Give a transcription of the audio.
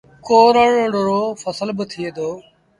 ڪورڙ رو ڦسل با ٿئي دو